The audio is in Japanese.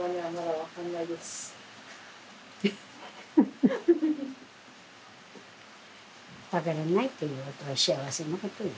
分からないということは幸せなことよ。